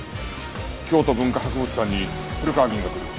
京都文化博物館に古河議員が来る。